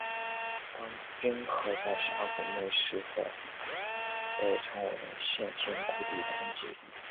当冰河在峡谷内时则被称为线状谷底沉积。